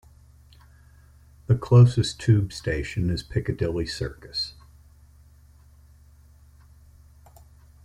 The closest tube station is Piccadilly Circus.